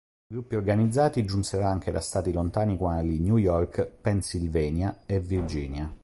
Gruppi organizzati giunsero anche da stati lontani quali New York, Pennsylvania e Virginia.